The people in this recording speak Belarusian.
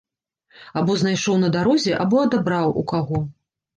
Або знайшоў на дарозе, або адабраў у каго.